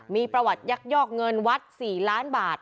มีประวัติยักยอกเงินวัด๔ล้านบาท